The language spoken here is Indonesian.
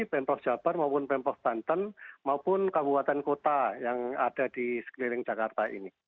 pemprov jabar maupun pemprov banten maupun kabupaten kota yang ada di sekeliling jakarta ini